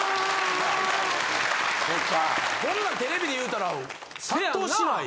そんなんテレビで言うたら殺到しない？